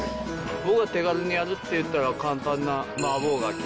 僕は手軽にやるといったら簡単な麻婆ガキ。